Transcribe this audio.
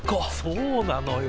そうなのよ。